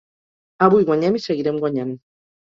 Avui guanyem i seguirem guanyant